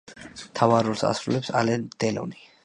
მთავარ როლს ასრულებს ალენ დელონი.